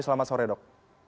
selamat sore dok